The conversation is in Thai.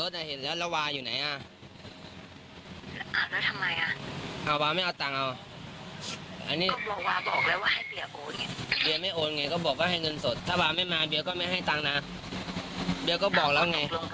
ตกลงกันแล้ว